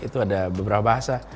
itu ada beberapa bahasa